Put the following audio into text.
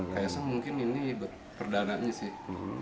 kaisang mungkin ini perdananya sih